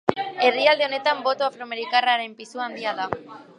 Herrialde honetan, boto afroamerikarraren pisua handia da.